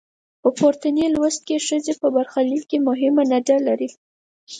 په پورتني لوست کې ښځې په برخلیک کې مهمه نډه لري.